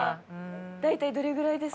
大体どれぐらいですか？